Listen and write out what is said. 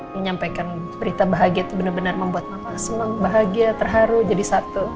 menyampaikan berita bahagia itu benar benar membuat mama bahagia terharu jadi satu